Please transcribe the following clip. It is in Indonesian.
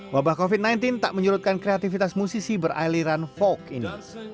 wabah covid sembilan belas tak menyurutkan kreativitas musisi beraliran folk ini